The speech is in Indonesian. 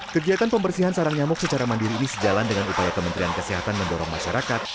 kegiatan pembersihan sarang nyamuk secara mandiri ini sejalan dengan upaya kementerian kesehatan mendorong masyarakat